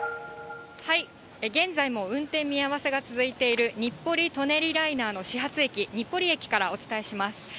現在も運転見合わせが続いている日暮里・舎人ライナーの始発駅、日暮里駅からお伝えします。